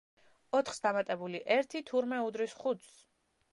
ოთხს დამატებული ერთი თურმე უდრის ხუთს.